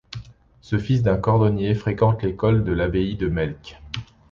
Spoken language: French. Ce fils d'un cordonnier fréquente l'école de l'abbaye de Melk.